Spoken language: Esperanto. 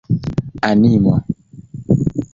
animo